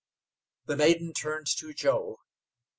The maiden turned to Joe.